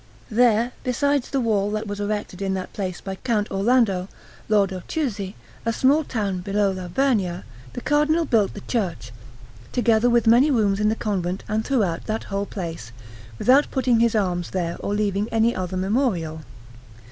There, besides the wall that was erected in that place by Count Orlando, Lord of Chiusi, a small town below La Vernia, the Cardinal built the church, together with many rooms in the convent and throughout that whole place, without putting his arms there or leaving any other memorial.